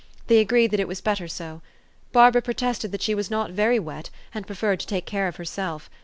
They agreed that it was better so. Barbara protested that she was not very wet, and preferred to take care of herself.